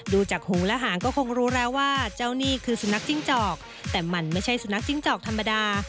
ดูจากหูและหางก็คงรู้แล้วว่าเจ้านี่คือสุนัขจิ้งจอกแต่มันไม่ใช่สุนัขจิ้งจอกธรรมดา